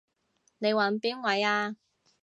你搵邊位啊？